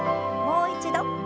もう一度。